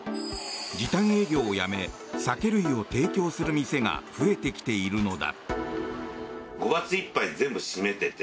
時短営業をやめ酒類を提供する店が増えてきているのだ。